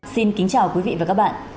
xin kính chào quý vị và các bạn